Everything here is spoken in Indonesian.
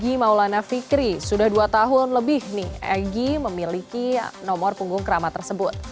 di depan nomor punggung sebelas egy maulana fikri sudah dua tahun lebih memiliki nomor punggung kerama tersebut